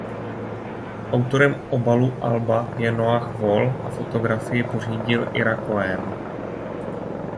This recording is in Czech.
Autorem obalu alba je Noah Wall a fotografii pořídil Ira Cohen.